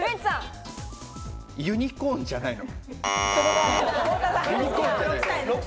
ユニコーンじゃないの？